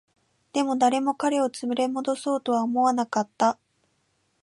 でも、誰も彼を連れ戻そうとは思わなかった